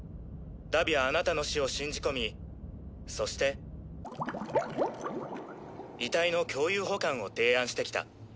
荼毘は貴方の死を信じ込みそして遺体の共有保管を提案してきた。